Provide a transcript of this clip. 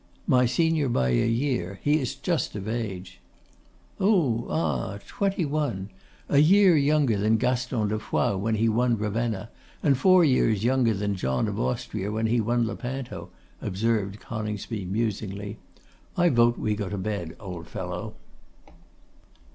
'My senior by a year: he is just of age.' 'Oh, ah! twenty one. A year younger than Gaston de Foix when he won Ravenna, and four years younger than John of Austria when he won Lepanto,' observed Coningsby, musingly. 'I vote we go to bed, old fellow!